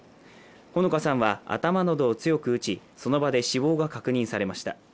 穂香さんは頭などを強く打ちその場で死亡が確認されました。